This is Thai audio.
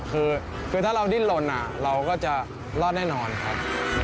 คือถ้าเราดิ้นลนเราก็จะรอดแน่นอนครับ